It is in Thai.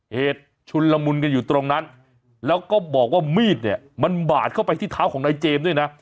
ชุนละมุนกันอยู่ตรงนั้นแล้วก็บอกว่ามีดเนี่ยมันบาดเข้าไปที่เท้าของนายเจมส์ด้วยนะ